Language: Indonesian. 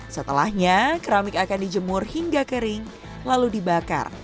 setelahnya keramik akan dijemur hingga kering lalu dibakar